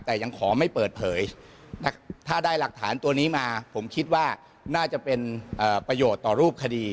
แต่ยังขอไม่เปิดเผยถ้าได้หลักฐานตัวนี้มาผมคิดว่าน่าจะเป็นประโยชน์ต่อรูปคดี